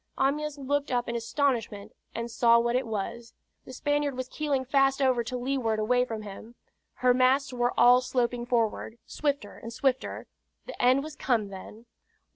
Amyas looked up in astonishment and saw what it was. The Spaniard was keeling fast over to leeward away from him. Her masts were all sloping forward, swifter and swifter the end was come then!